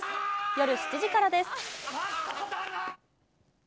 夜７時からです。